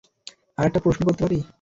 আরেকটা প্রশ্ন করতে পারি?